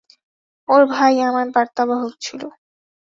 ওর ভাই আমার বার্তাবাহক ছিল।